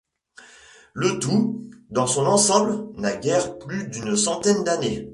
Le tout, dans son ensemble, n’a guère plus d’une centaine d’années.